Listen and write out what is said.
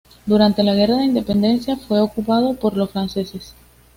Durante la Guerra de Independencia fue ocupado por los franceses.